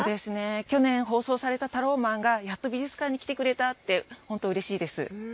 去年放送されたタローマンがやっと美術館に来てくれたって、本当にうれしいです。